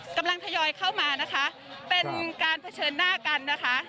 ทยอยเข้ามานะคะเป็นการเผชิญหน้ากันนะคะ